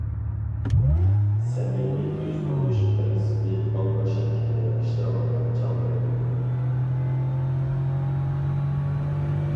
سەمىمىي تۈز بولۇش پىرىنسىپى ئالما شىركىتىدە ئىشلەۋاتقان چاغلىرىم ئىدى.